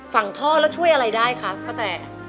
ฝั่งท่อแล้วช่วยอะไรได้คะป้าแต